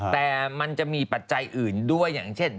แต่มันจะมีปัจจัยอื่นด้วยอย่างเช่น